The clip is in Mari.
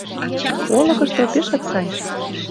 Олыкышто пешак сай